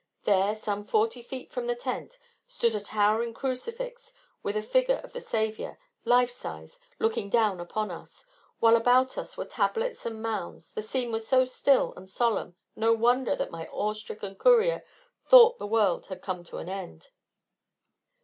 There, some forty feet from the tent, stood a towering crucifix with a figure of the Saviour, life size, looking down upon us, while about us were tablets and mounds: the scene was so still and solemn no wonder that my awestricken courier thought the world had come to an end.